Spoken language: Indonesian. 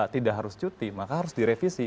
tidak harus cuti maka harus direvisi